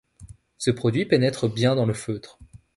Ce produit pénètre bien dans le feutre.